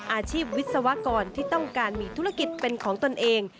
วิศวกรที่ต้องการมีธุรกิจเป็นของตนเอง